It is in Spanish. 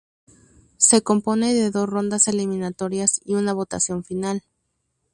Se compone de dos rondas eliminatorias y una votación final.